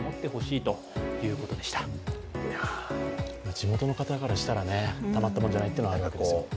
地元の方からしたら、たまったもんじゃないというのは分かります。